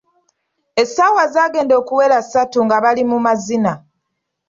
Essaawa zaagenda okuwera ssatu nga bali mu mazina.